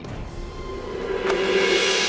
tante laura kebetulan